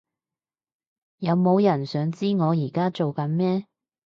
有冇人想知我而家做緊咩？